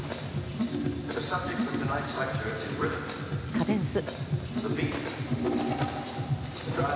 カデンス。